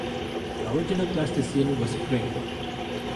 The original Plasticine was grey.